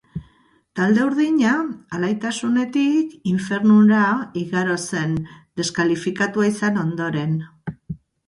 Talde urdina alaitasunetik infernura igaro zen, deskalifikatua izan ondoren.